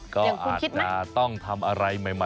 ก็อาจจะต้องทำอะไรใหม่